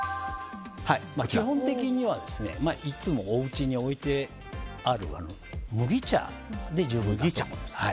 基本的にはいつもおうちに置いてある麦茶で十分だと思います。